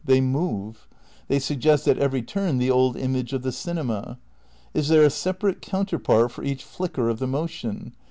They move. They suggest at every turn the old image of the cinema. Is there a separate counterpart for each flicker of the motion?